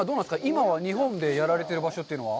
今は日本でやられている場所というのは？